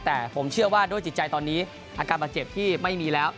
แต่ผมเชื่อว่าด้วยจิตใจตอนนี้อาการบาดเจ็บที่ไม่มีแล้ว